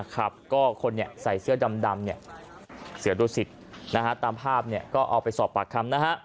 ก็คนใส่เสื้อดำเสือดุสิตตามภาพก็เอาไปสอบปากคำนะฮะ